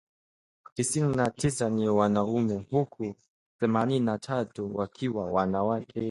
tisini na tisa ni wanaume huku themanini na tatu wakiwa wanawake